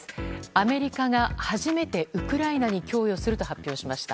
アメリカが初めてウクライナに供与すると発表しました。